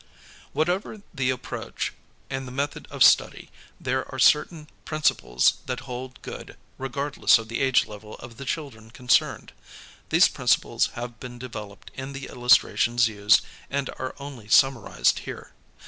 Whatever the approach and the method of study, there are certain prin ciples that hold good regardless of the age level of the children concerned. These principles have been developed in the illustrations used and are only summarized here.